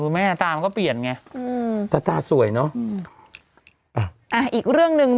แม่ตามันก็เปลี่ยนไงอืมแต่ตาสวยเนอะอ่าอีกเรื่องหนึ่ง